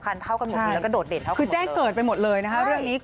คือแจ้งเกิดไปหมดเลยนะครับ